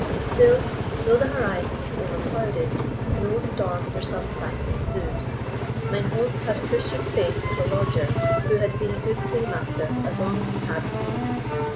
Still, though the horizon was overclouded, no storm for some time ensued. Mine host had Christian faith with a lodger who had been a good paymaster as long as he had the means.